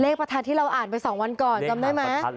ประทัดที่เราอ่านไป๒วันก่อนจำได้ไหม